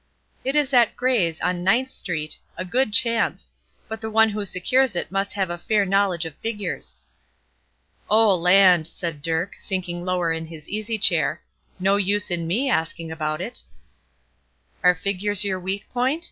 "It is at Gray's, on Ninth Street, a good chance; but the one who secures it must have a fair knowledge of figures." "Oh, land!" said Dirk, sinking lower in his easy chair. "No use in me asking about it." "Are figures your weak point?"